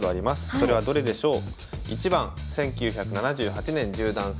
それはどれでしょう？